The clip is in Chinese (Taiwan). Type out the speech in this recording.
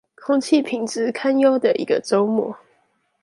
空氣品質堪憂的一個週末